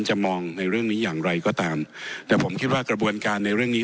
จะมองในเรื่องนี้อย่างไรก็ตามแต่ผมคิดว่ากระบวนการในเรื่องนี้